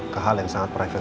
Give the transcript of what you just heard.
ke hal yang sangat private